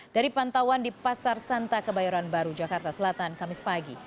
dari pantauan di pasar santa kebayoran baru jakarta selatan kamis pagi